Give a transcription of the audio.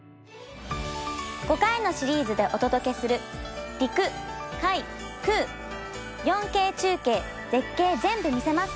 ５回のシリーズでお届けする「陸・海・空４Ｋ中継絶景ぜんぶ見せます！